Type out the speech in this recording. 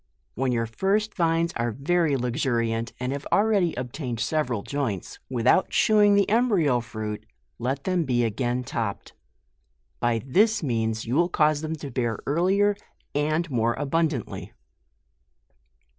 When your first vines are very luxuriant, and have already obtained several joints, without shewing the embryo iruit, let them be again topped; by this means you will cause them to bear earlier, and more abun dantly.